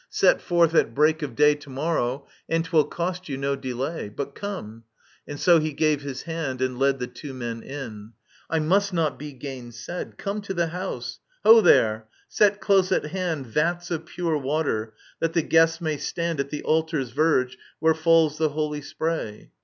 Set forth at break of day To morrow, and 'twill cost you no delay. But come "— ^and so he gave his hand, and led The two men in — ^^^I must not be gainsaid ; G>me to the house. Ho, there ; set close at hand Vats of pure water, that the guests may stand At the altar's verge, where falls the holy spray.